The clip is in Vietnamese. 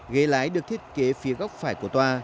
ghế lái được thiết kế phía góc phải của toa